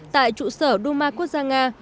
tại trụ sở đô ma quốc gia nga